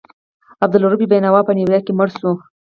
عبدالرؤف بېنوا په نیویارک کې مړ شو.